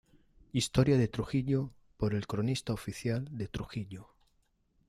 Historia de Trujillo, por el Cronista oficial de Trujillo.